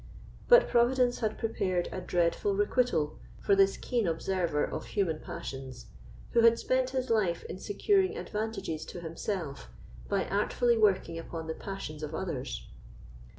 But Providence had prepared a dreadful requital for this keen observer of human passions, who had spent his life in securing advantages to himself by artfully working upon the passions of others.